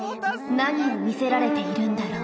何を見せられているんだろう。